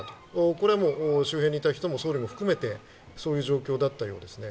これは周辺にいた人も総理も含めてそういう状況だったようですね。